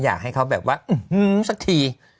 อยากให้เขาแบบว่าอื้อหือสักที